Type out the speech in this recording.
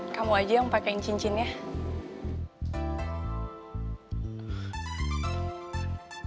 kamu aja yang pakaiin cincinnya